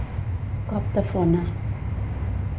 Cop de fona.